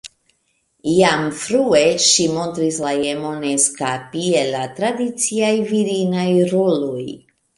Jam frue ŝi montris la emon eskapi el la tradiciaj virinaj roloj.